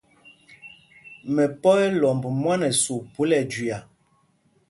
Mɛpɔ̄ ɛ́ lɔmb mwán ɛsûp phúla ɛjüia.